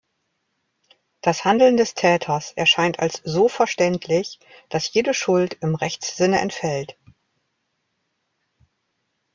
Das Handeln des Täters erscheint als so verständlich, dass jede Schuld im Rechtssinne entfällt.